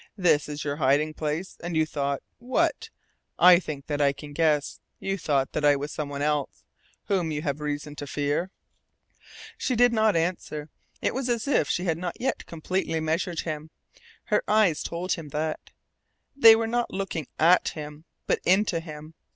"This is your hiding place, and you thought what? I think that I can guess. You thought that I was some one else, whom you have reason to fear." She did not answer. It was as if she had not yet completely measured him. Her eyes told him that. They were not looking AT him, but INTO him.